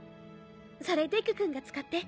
それデク君が使って。